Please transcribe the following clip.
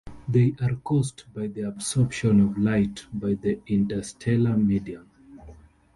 They are caused by the absorption of light by the interstellar medium.